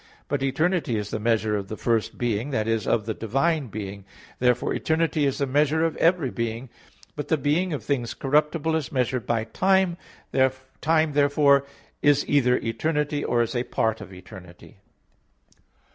But eternity is the measure of the first being that is, of the divine being. Therefore eternity is the measure of every being. But the being of things corruptible is measured by time. Time therefore is either eternity or is a part of eternity.